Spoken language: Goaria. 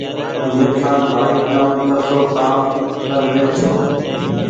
ميرخآن ڀآئي تم ڪسو ڪآم ڪر رهي ڇو